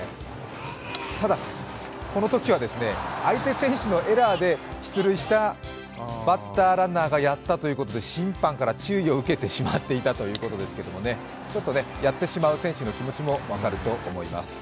ただ、このときは相手選手のエラーで出塁したバッターランナーがやったということで審判から注意を受けてしまっていたということですけれども、ちょっとやってしまう選手の気持ちも分かると思います。